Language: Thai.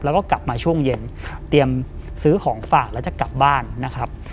แล้วก็กลับมาช่วงเย็นเตรียมซื้อของฝากแล้วจะกลับบ้านนะครับ